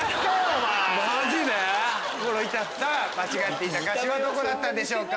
間違っていた歌詞はどこだったでしょうか？